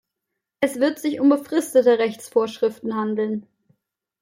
Es wird sich um befristete Rechtsvorschriften handeln.